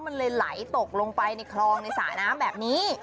มันเลยไหลตกลงไปในคลองในสระน้ำแบบนี้